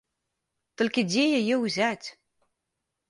Толькі дзе яе ўзяць?